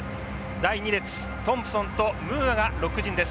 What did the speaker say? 第２列トンプソンとムーアがロック陣です。